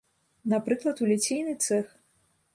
Напрыклад, у ліцейны цэх.